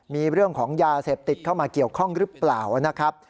มีเรื่องของยาเสพติดเข้ามาเกี่ยวข้องหรือเปล่านะครับ